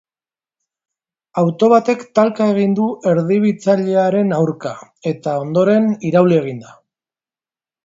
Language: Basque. Auto batek talka egin du erdibitzailearen aurka, eta ondoren irauli egin da.